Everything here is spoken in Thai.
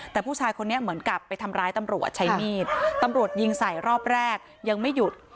แต่ผู้ชายคนนี้เหมือนกับไปทำร้ายตำรวจใช้มีดตำรวจยิงใส่รอบแรกยังไม่หยุด